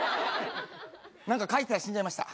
何か書いてたら死んじゃいました。